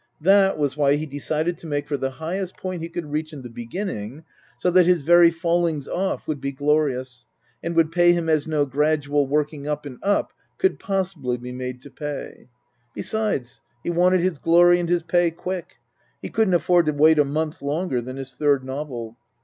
That was why he decided to make for the highest point he could reach in the beginning, so that his very fallings off would be glorious and would pay him as no gradual working up and up could possibly be made to pay. Besides, he wanted his glory and his pay quick. He couldn't afford to wait a month longer than his third novel.